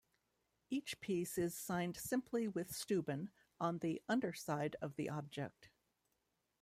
Each piece is signed simply with Steuben on the underside of the object.